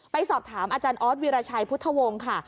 ไปสอบถามอาจารย์ออสวีรชัยพุทธวงศ์ค่ะ